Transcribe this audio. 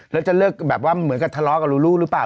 แล้วจะเลิกแบบว่าเหมือนกับทะเลาะกับรูลูหรือเปล่า